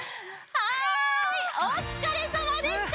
はいおつかれさまでした！